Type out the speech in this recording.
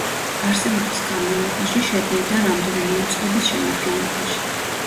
არსებობის განმავლობაში შედიოდა რამდენიმე უწყების შემადგენლობაში.